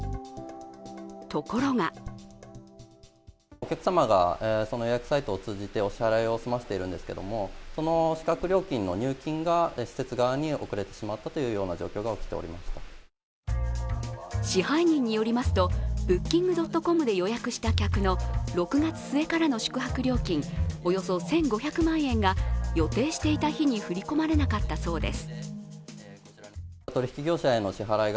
ところが支配人によりますとＢｏｏｋｉｎｇ．ｃｏｍで予約した客の６月末からの宿泊料金、およそ１５００万円が予定していた日に振り込まれなかったそうです